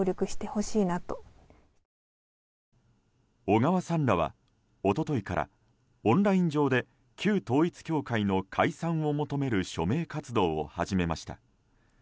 小川さんらは、一昨日からオンライン上で旧統一教会の解散を求める署名活動を始めました。